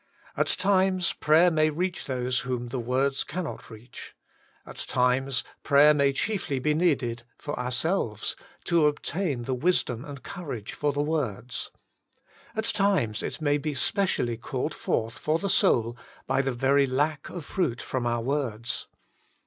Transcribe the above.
At times prayer may reach those whom the words cannot reach. At times prayer may chiefly be needed for ourselves, to obtain the wisdom and courage for the words. At times it may be specially called forth for the soul by the very lack of fruit from our words.